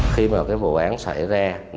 khi mà cái vụ án xảy ra nạn nhân